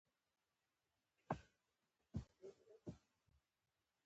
زده کړه نجونو ته د ملي سرود زده کوي.